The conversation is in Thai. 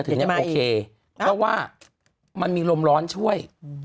เพราะว่ามันมีรมร้อนช่วย